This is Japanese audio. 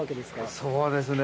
そうですね。